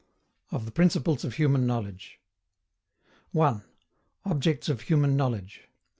OF THE PRINCIPLES OF HUMAN KNOWLEDGE 1. OBJECTS OF HUMAN KNOWLEDGE.